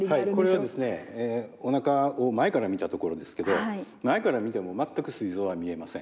これはですねおなかを前から見たところですけど前から見ても全くすい臓は見えません。